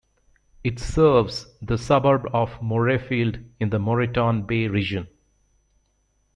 It serves the suburb of Morayfield in the Moreton Bay Region.